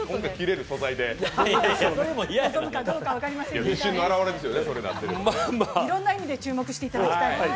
いろいろな意味で注目していただきたい。